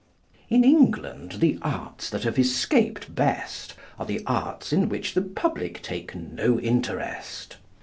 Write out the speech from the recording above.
In England, the arts that have escaped best are the arts in which the public take no interest.